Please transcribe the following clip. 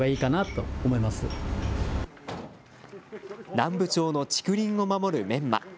南部町の竹林を守るメンマ。